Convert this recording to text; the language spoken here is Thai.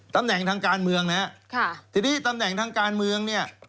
ตำแหน่งทางการเมืองนะฮะค่ะทีนี้ตำแหน่งทางการเมืองเนี่ย